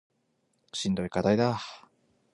しんどい課題だ